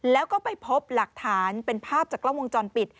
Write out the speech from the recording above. แล้วก็ไปพบหลักฐานเป็นภาพจากกล้องวงจรปิด